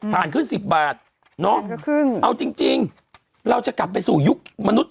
ฐานขึ้นสิบบาทน้องฐานก็ขึ้นเอาจริงจริงเราจะกลับไปสู่ยุคมนุษย์